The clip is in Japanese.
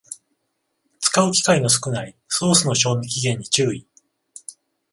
使う機会の少ないソースの賞味期限に注意